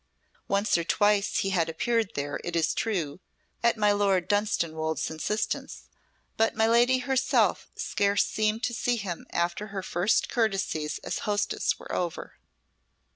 Once or twice he had appeared there, it is true, at my Lord Dunstanwolde's instance, but my lady herself scarce seemed to see him after her first courtesies as hostess were over.